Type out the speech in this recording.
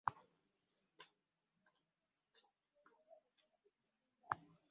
Baasalawo okukyogerako naye yakomekkerera annobye.